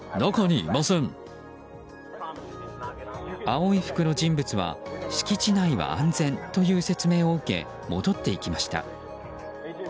青い服の人物は敷地内は安全という説明を受け戻っていきました。